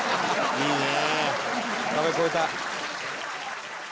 「いいね」